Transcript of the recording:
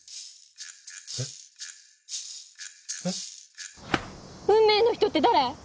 えっえっ運命の人って誰！？